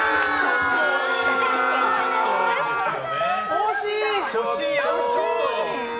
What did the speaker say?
惜しい！